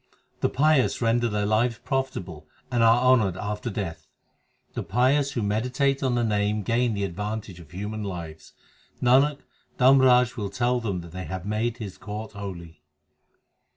The pious render their lives profitable and are honoured after death : The pious who meditate on the Name gain the advantage of human lives Nanak, Dharmraj will tell them that they have made his court holy.